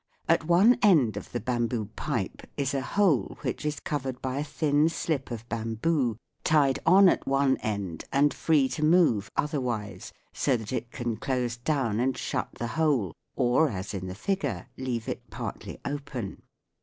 At one end of the bamboo pipe is a hole which is covered by a thin slip of bamboo tied on at one end and free to move otherwise, so that it can close down and shut the hole, or, as in the figure, leave it partly open.